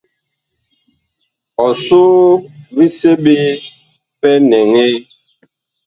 Ɔsoo vi seɓe pɛ nɛŋɛɛ.